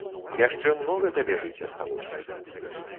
Яшчэ многа табе жыць асталося.